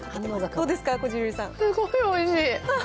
すごいおいしい。